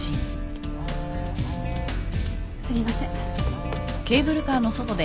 すみません。